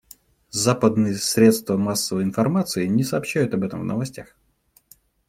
Западные средства массовой информации не сообщают об этом в новостях.